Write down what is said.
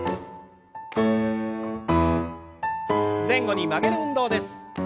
前後に曲げる運動です。